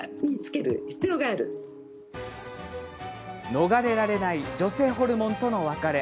逃れられない女性ホルモンとの別れ。